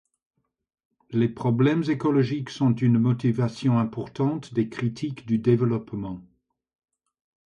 Les problèmes écologiques sont une motivation importante des critiques du développement.